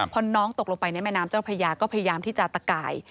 พอน้องตกลงไปในแม่น้ำเจ้าพระยาก็พยายามที่จะตะกาย